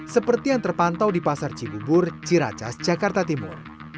seperti yang terpantau di pasar cibubur ciracas jakarta timur